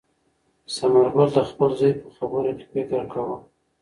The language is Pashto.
ثمر ګل د خپل زوی په خبرو کې فکر کاوه.